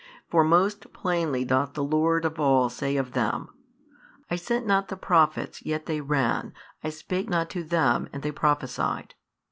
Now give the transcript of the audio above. For most plainly doth the Lord of all say of them, I sent not the prophets, yet they ran, I spake not to them, and they prophesied.